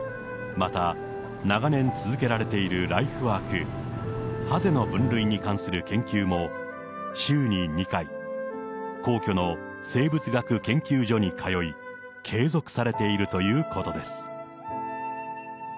また、長年続けられているライフワーク、ハゼの分類に関する研究も週に２回、皇居の生物学研究所に通い、継続されているということです。